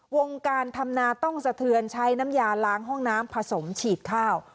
วงการธรรมนาต้องสะเทือนใช้น้ำยาล้างห้องน้ำผสมฉีดข้าว